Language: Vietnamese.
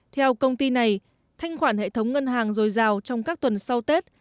theo công ty này thanh khoản hệ thống ngân hàng dồi dào trong các tuần sau tết